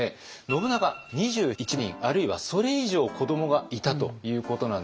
信長２１人あるいはそれ以上子どもがいたということなんですけれども。